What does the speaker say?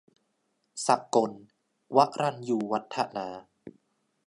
สกนธ์ วรัญญูวัฒนา